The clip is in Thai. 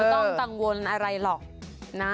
คุณไม่ต้องตังวลอะไรหรอกนะ